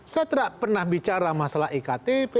saya tidak pernah bicara masalah iktp